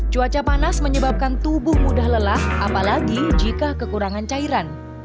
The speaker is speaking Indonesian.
cuaca panas menyebabkan tubuh mudah lelah apalagi jika kekurangan cairan